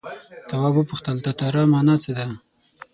تواب وپوښتل تتارا مانا څه ده.